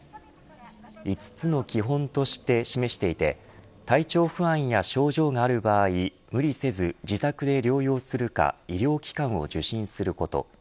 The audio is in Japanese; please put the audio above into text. ５つの基本として示していて体調不安や症状がある場合無理せず自宅で療養するか医療機関を受診すること。